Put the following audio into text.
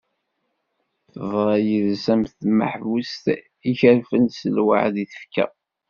Teḍra yid-s am tmeḥbust ikerfen s lweɛd i tefka.